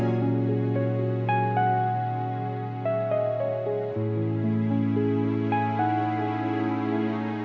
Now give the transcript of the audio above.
kayanya apa opa devin ngerti